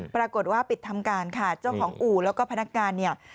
ปรากฏว่าปิดทำการค่ะเจ้าของอู่แล้วก็พนักงานเนี่ย